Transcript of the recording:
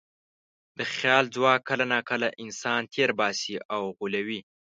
د خیال ځواک کله ناکله انسان تېر باسي او غولوي.